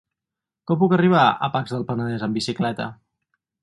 Com puc arribar a Pacs del Penedès amb bicicleta?